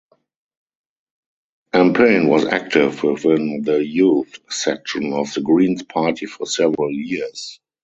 Empain was active within the youth section of The Greens party for several years.